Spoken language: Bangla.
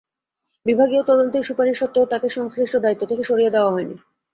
বিভাগীয় তদন্তের সুপারিশ সত্ত্বেও তাঁকে সংশ্লিষ্ট দায়িত্ব থেকে সরিয়ে দেওয়া হয়নি।